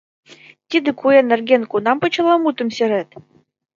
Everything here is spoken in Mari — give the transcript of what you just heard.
— Тиде куэ нерген кунам почеламутым серет?